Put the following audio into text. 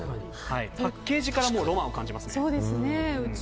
パッケージからロマンを感じますね。